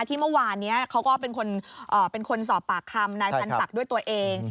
ที่เมื่อวานนี้เขาก็เป็นคนสอบปากคำนายพันศักดิ์ด้วยตัวเอง